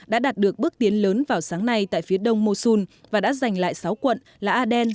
đã đạt được bước tiến lớn vào sáng nay tại phía đông mosul và đã giành lại sáu quận là aden